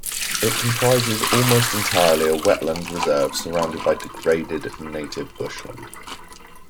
It comprises almost entirely a wetland reserve surrounded by degraded native bushland.